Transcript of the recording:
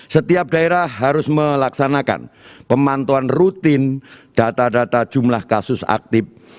setiap daerah harus melaksanakan pemantauan rutin data data jumlah kasus aktif